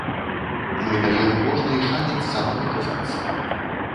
Мы даём кожнай шанец самавыказацца.